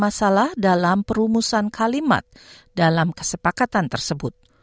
masalah dalam perumusan kalimat dalam kesepakatan tersebut